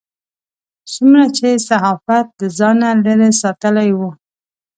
څومره چې صحافت له ځانه لرې ساتلی و.